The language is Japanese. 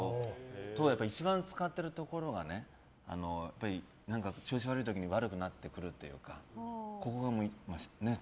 一番使ってるところがね調子悪い時に悪くなってくるというか。